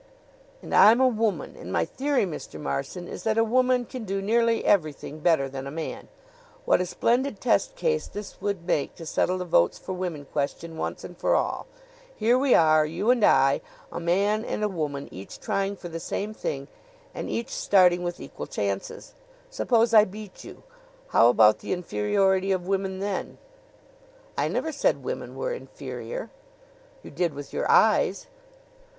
"And I'm a woman. And my theory, Mr. Marson, is that a woman can do nearly everything better than a man. What a splendid test case this would make to settle the Votes for Women question once and for all! Here we are you and I a man and a woman, each trying for the same thing and each starting with equal chances. Suppose I beat you? How about the inferiority of women then?" "I never said women were inferior." "You did with your eyes."